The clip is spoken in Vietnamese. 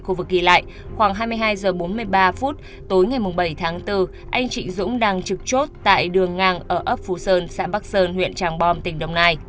khu vực ghi lại khoảng hai mươi hai h bốn mươi ba phút tối ngày bảy tháng bốn anh chị dũng đang trực chốt tại đường ngang ở ấp phú sơn xã bắc sơn huyện tràng bom tỉnh đồng nai